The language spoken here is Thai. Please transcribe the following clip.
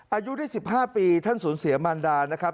อายุได้๑๕ปีท่านสูญเสียมารดานะครับ